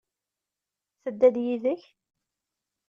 Tedda-d yid-k?